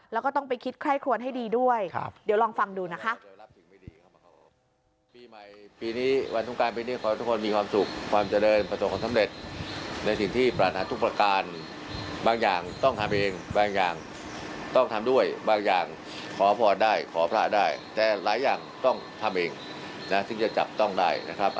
แล้วก็ต้องไปคิดค่าให้ควรให้ดีด้วยเดี๋ยวลองฟังดูนะครับ